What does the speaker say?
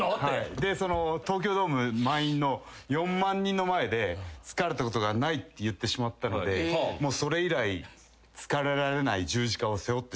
でその東京ドーム満員の４万人の前で疲れたことがないって言ってしまったのでそれ以来。